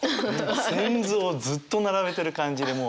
仙豆をずっと並べてる感じでもう。